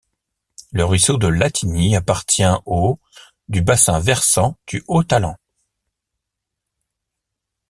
Le ruisseau de Latigny appartient aux du bassin versant du haut Talent.